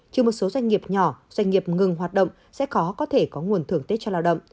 chứ một số doanh nghiệp nhỏ doanh nghiệp ngừng hoạt động sẽ khó có thể có nguồn thưởng tết cho lao động